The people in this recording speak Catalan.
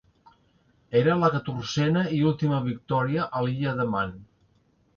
Era la catorzena i última victòria a l'Illa de Man.